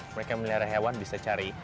mereka melihara hewan bisa cari